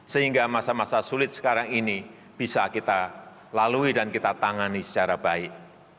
sehingga masa masa sulit sekarang ini bisa kita lalui dan kita tangani secara baik